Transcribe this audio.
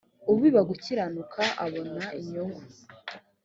ubiba gukiranuka abona inyungu